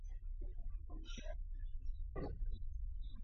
მიუხედავად არაერთი თხოვნისა სახლის დაბრუნების შესახებ, მფლობელებმა უარი მიიღეს.